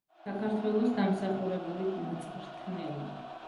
საქართველოს დამსახურებული მწვრთნელი.